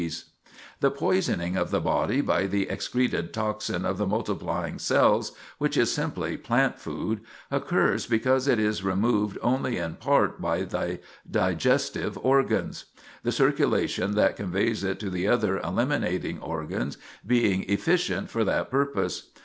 [Sidenote: The Toxin Secreted] The poisoning of the body by the excreted toxin of the multiplying cells, which is simply plant food, occurs because it is removed only in part by the digestive organs, the circulation that conveys it to the other eliminating organs being efficient for that purpose.